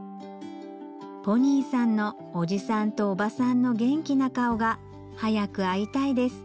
「ポニーさんのおじさんとおばさんのげんきなかおがはやくあいたいです」